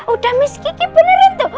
udah miss kiki benerin tuh